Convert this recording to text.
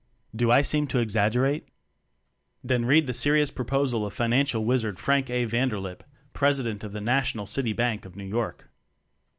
Do I seem to exaggerate? Then read the serious proposal of Financial Wizard Frank A. Vander lip, President of the National City Bank of New York.